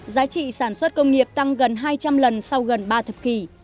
giá trị sản xuất công nghiệp tăng gần hai trăm linh lần sau gần ba thập kỷ